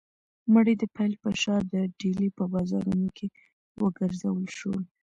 مړی د پیل په شا د ډیلي په بازارونو کې وګرځول شو.